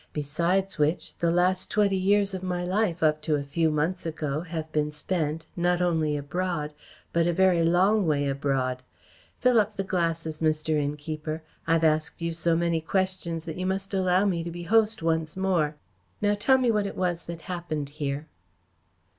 "Besides which, the last twenty years of my life, up to a few months ago, have been spent, not only abroad, but a very long way abroad. Fill up the glasses, Mr. Innkeeper. I have asked you so many questions that you must allow me to be host once more. Now tell me what it was that happened here."